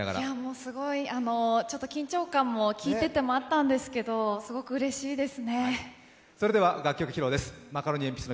すごい緊張感も、聴いててもあったんですが、うれしいです。